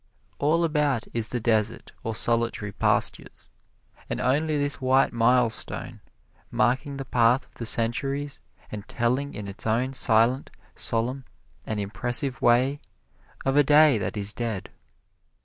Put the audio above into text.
All about is the desert or solitary pastures, and only this white milestone, marking the path of the centuries and telling in its own silent, solemn and impressive way of a day that is dead.